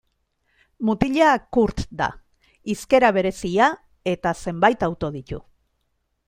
Mutila Kurt da; hizkera berezia eta zenbait auto ditu.